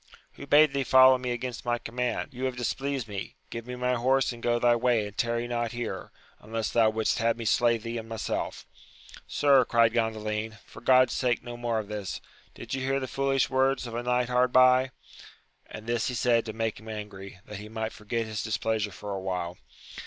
— Who bade thee follow me against my command ? you have displeased me : give me my horse and go thy way, and tarry not here, unless thou wouldst have me slay thee and myself. Sir, cried Gandalin, for God's sake no more of this ! did you hear the foolish words of a knight hard by ? And this he said to make him angry, that he might forget his displeasure for a while.